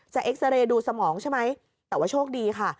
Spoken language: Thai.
เอ็กซาเรย์ดูสมองใช่ไหมแต่ว่าโชคดีค่ะ